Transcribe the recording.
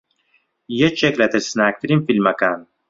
یەکێک لە ترسناکترین فیلمەکان